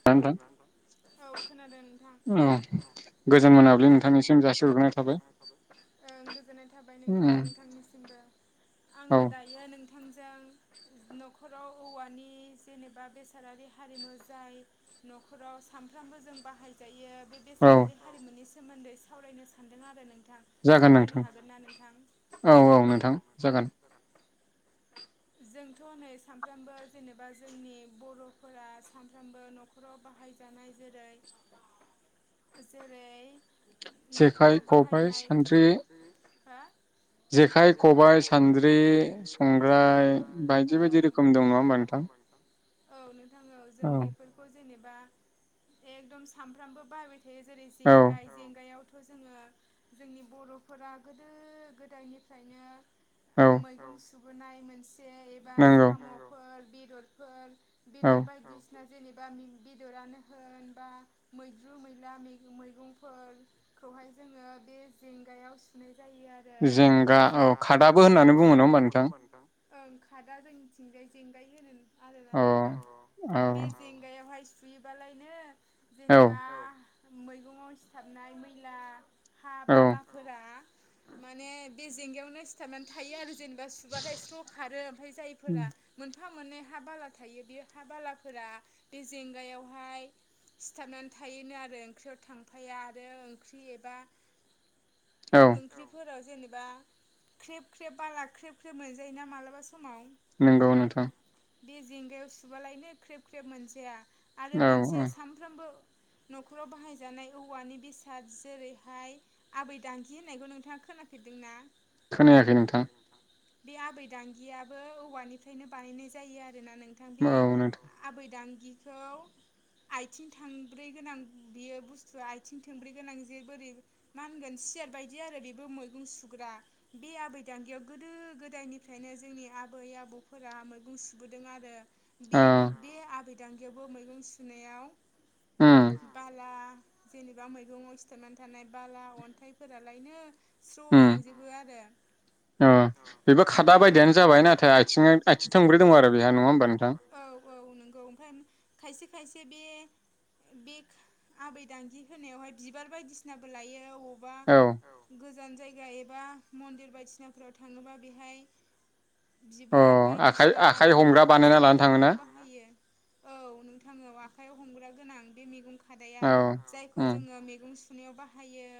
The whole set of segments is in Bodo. खौ खोनादोंना नोंथां? औ खोनादों नोंथां औ। गोजोन मोनाबलि नोंथांनिसिम जासिहरग्रोनाय थाबाय। ओं गोजोननाय थाबाय नोंथां नोंथांनिसि जेनेबा आङो दायो नोंथांजों न'खराव औवानि जेनेबा बेसादारि हारिमु जाय न'खराव सानफ्रामबो जों बाहायजायो बे बेसादारि हारिमुनि सोमोन्दै सावरायनो सानदों आरो नोंथा सावरायनो हागोन ना नोंथां? जोंथ' नै सामफ्रामबो जेनेबा जोंनि बर'फोरा सामफ्रामबो न'खर न'खराव बाहायजानाय जेरै जेरै न'खराव बाहायनाय हो जेखाइ, खबाइ, सानद्रि, संग्राय बायदि बायदि रोखोम दं नङा होमबा नोंथां? औ नोंथां औ जों बेफोरखौ जेनेबा एकदम सामफ्रामबो बाहायबाय थायो जेरै जेंगाय जेंगायाव खौ जोङो जोंनि बर' फोरा गोदो गोदायनिफ्रायनो मैगं सुबोनाय मोनसे एबा साम'फोर, बेदरफोर बेदर बायदि सिना जेनेबा बेदरानो होन बा मैद्रु मैला मेग मैगंफोर खौहाय जोङो बे जेंगायाव सुनाय जायो। जेंगा औ खादाबो होननानै बुङो नङा होमबा नोंथां? ओं खादा जोंनिथिंजाय जेंगाय होनो आरोना नोंथां बे जें जेंगायावहाय सुयोबालायनो जेनेबा मैगंयाव सिथाबनाय मैला हा बालाफोरा माने बे जेंगायावनो सिथाबनानै थायो आरो जेनेबा सुबाथाय स्र' खारो ओमफ्राय जायफोरा मोनफा मोननै हा बाला थायो बे हा बालाफोरा बे जेंगायावहाय सिथाबनानै थायोनो आरो ओंख्रियाव थांफाया आरो ओंख्रि एबा औ। ओंख्रिफोराव जेनेबा ख्रेब ख्रेब बाला ख्रेब ख्रेब मोनजायोना मालाबा समाव। नंगौ नोंथां। बे जेंगायाव सुबालायनो ख्रेब ख्रेब मोनजाया आरो मोनसे सामफ्रामबो न'खराव बाहायजानाय औवानि बेसाद जेरैहाय आबैदांगि होननायखौ नोंथाङा खोनाफेरदों ना? बे आबैदांगियाबो औवानिफ्रायनो बानायनाय जायो आरोना नों नोंथां बे आबैदांगिखौ आइथिं थांब्रै गोनां बेयो बुस्थुआ आइथिं थोंब्रै गोनां जे बोरै मा होनगोन सियार बायदि आरो बेबो मैगं सुग्रा बे आबैदांगियाव गोदो गोदायनि फ्रायनो जोंनि आबै आबौ फोरा मैगं सुबोदों आरो बे बु बे आबैदांगियावबो मैगं सुनायाव बाला जेनेबा मैगंयाव सिथाबनानै थानाय बाला अन्थाइफोरालायनो स्र' थांजोबो आरो। जेन'बा खादा बायदियानो जाबाय नाथाय आइथिं आथिं थोंब्रै दं आरो बेहा नङा होनबा नों औ औ नंगौ ओमफाय खायसे खायसे बे बे आबैदांगि होननायावहाय बिबार बायदिसिनाबो लायो अ अबा गोजान जायगा एबा मन्दिर बायदिसिनाफोराव थाङोबा बेहाय बिबार बायदिसिना फुल फसादफोर लानायाव बाहायो। औ नोंथां औ आखाइयाव हमग्रा गोनां बे मेगं खादाया जायखौ जोङो मेगं सु सुनायाव बाहायो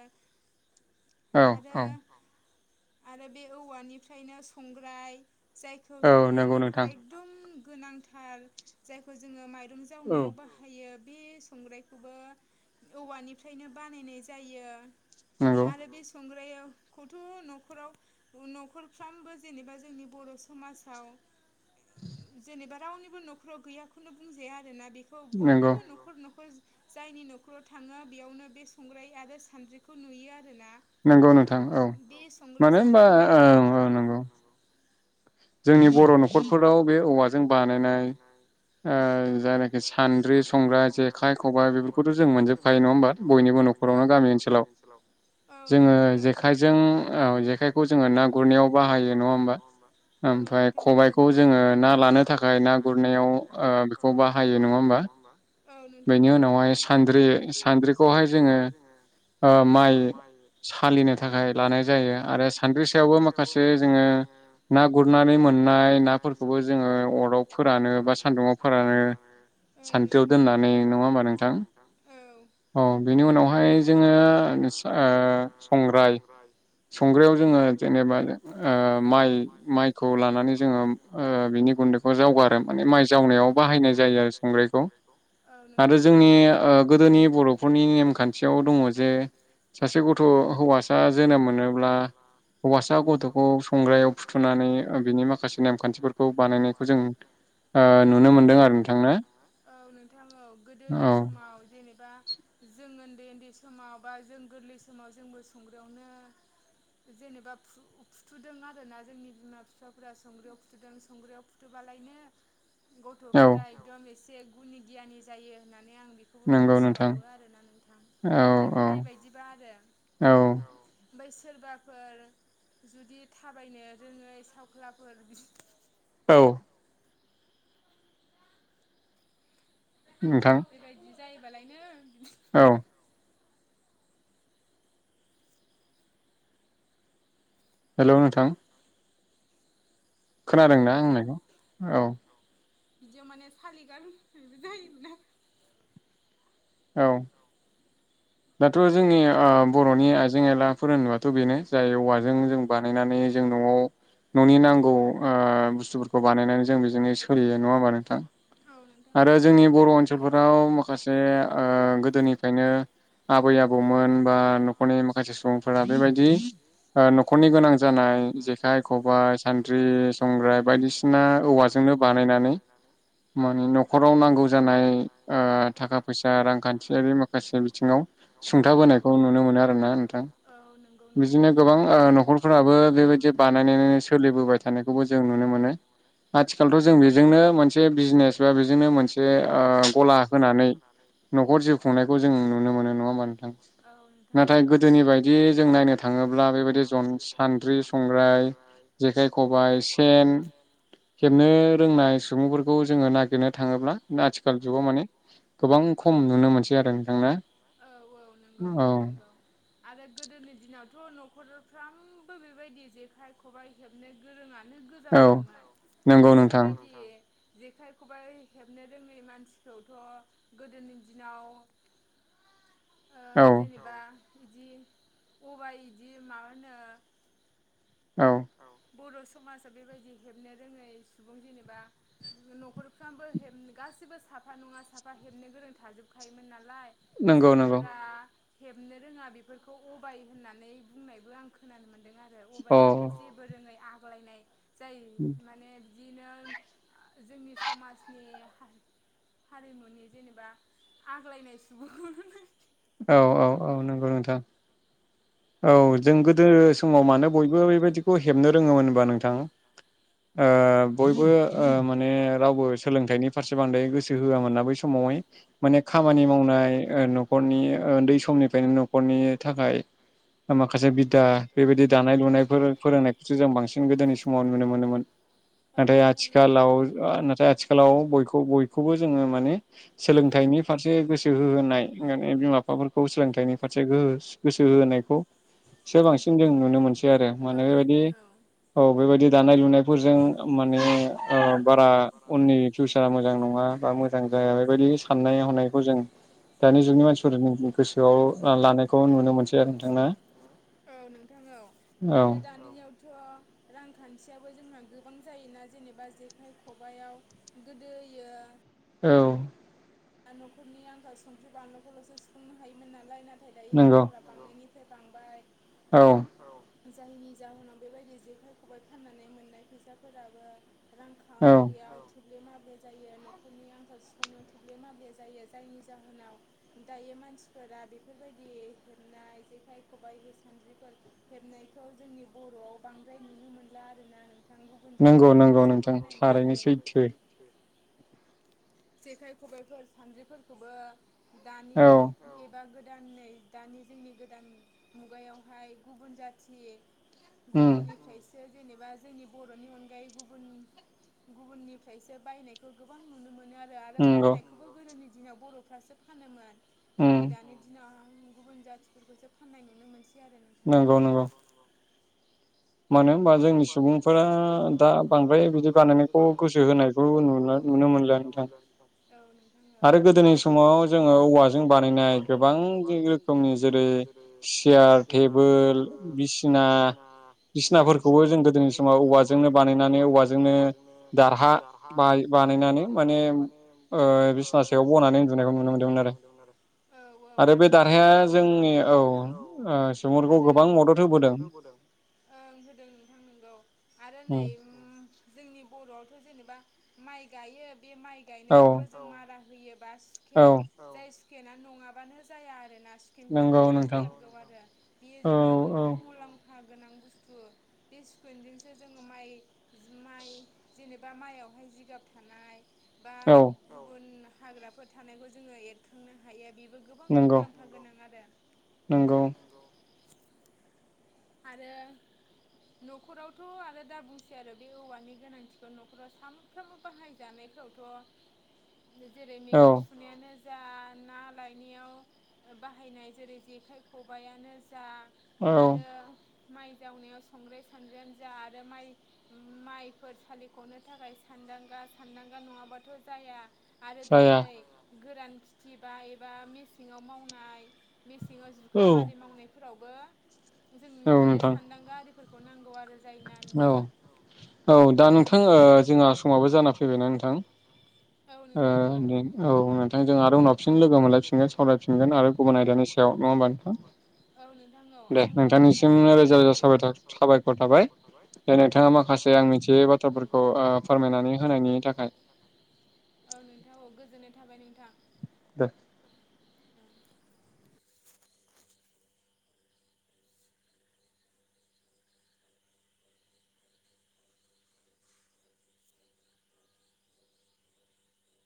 आरो आरो बे औवानिफ्रायनो संग्राय जायखौ जोङो न'खराव दम गोनांथार जायखौ जोङो माइरं जावनायाव बाहाय बाहायो बे संग्रायखौबो औवानिफ्रायनो बानायनाय जायो। नंगौ। आरो बे संग्रायावखौथ' न'खराव न'खरफ्रामबो जेनेबा जोंनि बर' समाजाव जेनेबा रावनिबो न'खराव गैयाखौनो बुंजाया आरोना बेखौ बयनिबो न' न'खर न'खर जायनि न'खराव थाङो बेयावनो बे संग्राय आरो सानद्रिखौ नुयो आरो ना। बे संग्राय सानद्रिनिफ्राय जोंनि बर' न'खरफोराव बे औवाजों बानायनाय ओ जायनाखि सान्द्रि संग्रा जेखाइ खबाइ बेफोरखौथ' जों मोनजोबखायो नङा होमबा बयनि बयनिबो न'खरावनो गामि ओनसोलाव औ‌ नोंथां औ ओ जेखाय जों जेखाइखौ जोङो ना गुरनायाव बाहायो नङा होनोमबा ओमफ्राय खबाइखौ जोङो ना लानो थाखाय ना गुरनायाव ओ बेखौ बाहायो नङा होमबा? बेनि उनावहाय सानद्रि सान्द्रिखौहाय जोङो ओ माइ सालिनो थाखाय लानाय जायो आरो सानद्रिसायावबो माखासे जोङो ना गुरनानै मोननाय नाफोरखौबो जोङो अराव फोरानो बा सान्दुुंङाव फोरानो सान्थ्रियाव दोननानै नङा होमबा नोंथां? औ बेनि उनावहाय जोङो ओ संग्राय संग्रायाव जोङो जेनेबा ओ माइ माय खौ लानानै जोङो ओ बिनि गुन्दैखौ जावगारो माने माइ जावनायाव बाहायनाय जायो आरो संग्रायखौ। आरो जोंनि ओ गोदोनि बर'फोरनि नेमखान्थियाव दङ जे सासे गथ' हौवासा जोनोम मोनोब्ला हौवासा गथ'खौ संग्रायाव फुथुनानै बिनि माखासे नेमखान्थिफोरखौ बानायनायखौ जों औ नोंथां औ गोदोनि समाव जेनेबा जों उन्दै उन्दै समाव बा जों गोरलै समाव जोंबो संग्रियावनो जेनेबा फु-फुथुदों आरोना जोंनि बिमा बि बिफाफोरा संग्रियाव फुथुदों संग्रियाव फुथुबोबालायनो गथ'फोरा एकदम एसे गुनि गियानि जायो होननानै आं बि बेखौबो मिथिबावो आरोना नोंथां फोथायबोनाय बादिबा आरो। ओमफ्राय सोरबाफोर जुदि थाबायनो रोङै सावख्लाफोर औ नोंथां बेबायदि जायोबालायनो बि औ हेलौ नोंथां खोनादों नोंथां बिदियाव माने सालि गारनायबो जायोमोन आरो। औ दाथ' जोंनि ओ बर'नि आइजें आइला फोर होनबाथ' बेनो जाय औवाजों जों बानायनानै जों न'आव न'नि नांगौ ओ बुस्थुफोरखौ बानायनानै जों बेजोंनो सोलियो नङा होमबा नोंथां। आरो जोंनि बर' ओनसोलफोराव माखासे ओ गोदोनिफ्रायनो आबै आबौमोन बा न'खरनि माखासे सुबुंफोरा बेबायदि ओ न'खरनि गोनां जानाय जि जेखाइ खबाइ सान्द्रि संग्राय बायदिसिना औवाजोंनो बानायनानै माने न'खराव नांगौ जानाय ओ थाखा फैसा रांखान्थिय बे माखासे बिथिङाव सुंथाबोनायखौ नुनो मोनो आरो ना नोंथां। औ नोंगौ नोंथां नंगौ बिदिनो गोबां न'खरफोराबो बेबायदि बानायनो सनायखौबो जों नुनो मोनो आथिखालथ' जों बेजोंनो मोनसे बिजनेस फ्रा बेजोंनो मोनसे ओ गला होनानै न'खर जिउ खुंनायखौ जों नुनो मोनो नंङा होमब्ला नोंथां नाथाय गोदोनि बायदियै जों नायनो थाङोब्ला बेबायदि जन‌ सान सानद्रि संग्राय जेखाइ खबाइ सेन हेबनो रोंनाय सुबुंफोरखौ जोङो नागिरनो थाङोब्ला नो आथिखाल जुगाव माने गोबां खम नुनो मोनसै आरो औ औ नंगौ नोंथां नंगौ। आरो गोदोनि दिनावथ' न'खरफ्रामबो बेबायदि जेखाइ खबाइ हेबनो गोरोङानो गोजाफ्राममोन आरो बेबायदि जेखाइ खबाइ हेबनो रोङै मानसिखौथ गोदोनि दिनाव ओ जेनेबा बिदि अबाइ इदि मा होनो औ औ बर' समाजा बेबायदि हेबनो रोङै सुबुं जेनेबा न'खरफ्रामबो हेब गासिबो साफा नङा साफा हेबनो गोरों थाजोबखायोमोन नालाय जायफोरा हेबनो रोङा बेफोरखौ अबाइ होननानै बुंनायबो आं खोनानो मोन्दों आरो अबाइ माने जेबो रोङै आग्लायनाय जायो माने दिनो जोंनि समाजनि हा हारिमुनि जेनेबा आग्लायनाय सुबुं औ औ औ नंगौ नोंथां। औ जों गोदो समाव मानो बयबो बेबायदिखौ हेबनो रोङोमोन होनबा नोंथां? ओ बयबो ओ माने रावबो सोलोंथाइनि फारसे बांद्राय गोसो होआमोन ना बै समावहाय माने खामानि मावनाय ओ न'खरनि ओन्दै समनिफ्रायनो न'खरनि थाखाय माखासे बिता बेबायदि दानाय लुनायफोर फोरोंनायखौसो जों बांसिन गोदोनि समाव नुनो मोनोमोन। नाथाय आथिखालाव नाथाय आथिखालाव बयखौ बयखौबो जोङो माने सोलोंथाइनि फारसे गोसो होहोनाय माने बिमा बिफाफोरखौ सोलोंथाइनि फारसे गोहस गोसो होहोनायखौ सो बांसिन जों नुनो मोनसै आरो मानो बेबायदि औ बेबायदि दानाय लुनायखौ जों माने औ बारा उननि फिउसारा मोजां नङा बा मोजां जाया बेबायदि साननाय हनायखौ जों दानि जुगनि मानसिफोरनि गोसोआव लानायखौ नुनो मोनसै आरो नोंथां‌ ना। औ नोंथां औ आरो दानियाव औ थ रांखान्थियाबो जोंहा गोबां जायोना जेनेबा जेखाइ ख खबाइयाव गोदोयो औ न'खरनि आंखाल संख्रि बानलुखौलसो सुफुंनो हायोमोन नालाय नाथाय दायो आंखाला औ बांनायनिफ्राय बांबाय औ औ जायनि जाउनाव बेबायदि जेखाइ खबाइ फाननानै मोननाय फैसाफोराबो रांखावरियाव थोब्ले माब्ले जायो न'खरनि आंखाल सुफुंनो थोब्ले माब्ले जायो जायनि जाहोनाव दायो मानसिफोरा बेफोरबायदि हेबनाय जेखाइ खबाइ हि सानद्रिफोर हेबनायखौ जोंनि बर'आव बांद्राय नुनो मोनला आरोना नों थां गुबुन जाथिफोरखौसो फाननाय नुसै। दे जेखाइ खबायफोर सानद्रिफोरखौबो दानि औ एबा गोदानैै दानि जोंनि गोदान मुगायावहाय गुबुन जाथि गुबुननि फ्रायसो जेनेबा जोंनि बर'नि अनगायै गुबुन गुबुननिफ्रायसो बायनायखौ गोबां नुनो मोनो आरो आ फाननायखौबो गोदोनि दिनाव बर'फ्रासो फानोमोन नाथाय दानि दिनाव। गुबुन जाथिफोरखौसो फाननाय नुनो मोनसै आरो नोंथां नोंगौ नोंगौ। मानो होनबा जोंनि सुबुंफोरा दा बांद्राय बिदि बानायनायखौ गोसो गोसो होनायखौ नुनो मोनला नोंथां। औ नोंथां औ आरो गोदोनि समाव जोङो औवाजों बानायनाय गोबां रोखोमनि जों आरो सियार टेबोल बिसिना। औ बिसिनाफोरखौबो जों गोदोनि समाव औवाजोंनो बानायनानै औवाजोंनो दारहा। बाय बानायनानै माने ओ बिसना सायाव बनानै उन्दुनायाव नुनो मोन्दोंमोन आरो औ औ आरो औवानि बे दारहाया जोंनि औ गोबां मदद होबोदों। ओं होदों नोंथां नोंगौ आरो नै जोंनि बर'आवथ' जेनेबा माइ गायो बे माइ गाय खौबो जों मारा होयोबा सुखेन जाय सुखेना नङाबानो जाया आरोना सुखेनखौ जोंनो नांथारगौ आरो बेयो जोंनियाव गोबां मुलाम्फा गोनां बुस्थु। बे सुखेनजोंसो जोङो माइ माइ। जेनेबा माइआवहाय जिगाब थानाय। बा गुबुन हाग्राफोर थानायखौ जोङो एरखांनो हायो बेबो, गोबां मुलाम्फा गोनां आरो नंगौ। आरो न'खरावथ' आरो दा बुंसै आरो बे औवानि गोनांथिखौ न'खराव साम। साफ्रामबो बाहाय जानायफोरावथ' जेरै मैगं सुनायानो जा ना लायनायाव बाहायनाय जेरै जेखाइ खबायानो जा, औ ओ माइ जावनायाव संग्राय सानद्रियानो जा आरो माइ, माइफोर सालिख'नो थाखाय सानदांगा सानदांगा नङाबाथ' जाया। आरो दा नै गोरान खिथि बा एबा मेसेङाव मावनाय। मेसेङाव जुखाम आरि मावनायफोरावबो। जोंनि बे सानदांगा आरिफोरखौ नांगौ आरो जायोना नोंथां। औ दा नोंथां ओ जोंहा समाबो जाना फैबायना नोंथां। ओ औ नोंथांजों आरो उनाव फिन लोगो मोनलायफिनगोन सावरायफिनगोन आरो औ नोंथां औ आंबो। माखासे नोंथांनिसिम रोजा रोजा साबायखर साबायखर थाबाय। नोंथाङा माखासे आं मिथियै बाथ्राफोरखौ ओ फोरमायनानै होनायनि थाखाय। औ नोंथां औ गोजोननाय थाबाय नोंथां। [unintelligible]